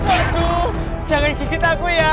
waduh jangan gigit aku ya